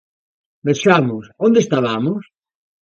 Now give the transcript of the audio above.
Vexamos, onde estabamos?